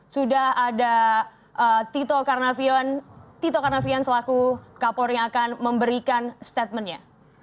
sudah ada tito karnavian selaku kapolri akan memberikan statementnya